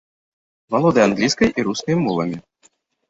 Валодае англійскай і рускай мовамі.